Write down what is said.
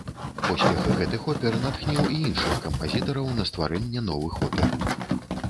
Поспех гэтых опер натхніў і іншых кампазітараў на стварэнне новых опер.